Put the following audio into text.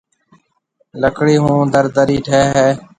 لڪڙِي هون در درِي ٺهيَ هيَ۔